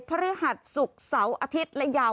พฤหัสศุกร์เสาร์อาทิตย์และยาว